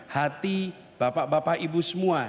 hati bapak bapak ibu semua